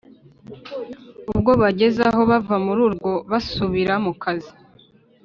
ubwo bagezaho bava mururwo basubira mukazi